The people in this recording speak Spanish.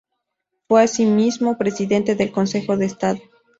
Fue asimismo presidente del Consejo de Estado.